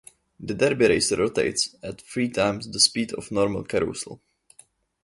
The Derby Racer rotates at - three times the speed of a normal carousel.